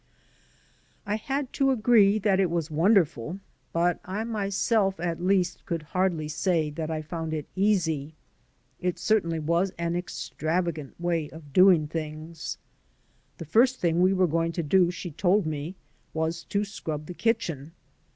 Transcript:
I had to agree that it was wonderful, but I myself at least could hardly say that I found it easy. It certainly was an extravagant way of doing things. The first thing we were going to do, she told me, was to scrub the kitchen.